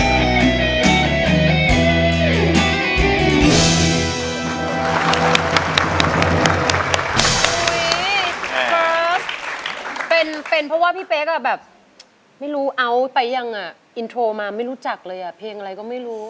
ครับเป็นเพราะว่าพี่เป๊กอ่ะแบบไม่รู้เอาไปยังอ่ะอินโทรมาไม่รู้จักเลยอ่ะเพลงอะไรก็ไม่รู้